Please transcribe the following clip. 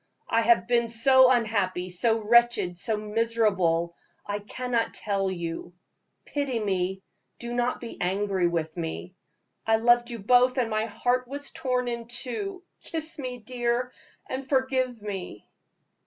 I have been so unhappy, so wretched, so miserable, I cannot tell you. Pity me do not be angry with me. I loved you both, and my heart was torn in two. Kiss me, dear, and forgive me."